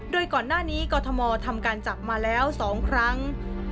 โดยก่อนหน้านี้กรทมทำการจับมาแล้ว๒ครั้ง